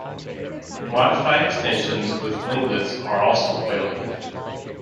Modified extensions with winglets are also available.